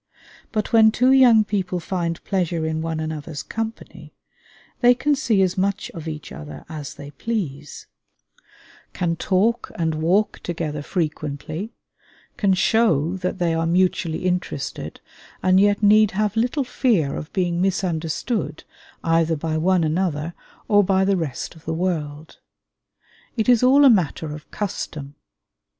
But when two young people find pleasure in one another's company, they can see as much of each other as they please, can talk and walk together frequently, can show that they are mutually interested, and yet need have little fear of being misunderstood either by one another or by the rest of the world. It is all a matter of custom.